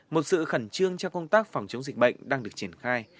một sự khẩn trương cho công tác phòng chống dịch bệnh đang được triển khai